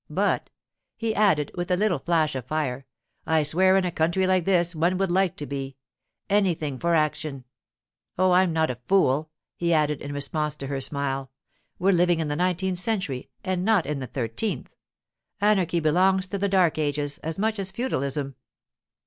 But,' he added, with a little flash of fire, 'I swear, in a country like this, one would like to be—anything for action! Oh, I'm not a fool,' he added, in response to her smile. 'We're living in the nineteenth century, and not in the thirteenth. Anarchy belongs to the dark ages as much as feudalism.